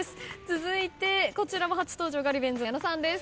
続いてこちらも初登場ガリベンズ矢野さんです。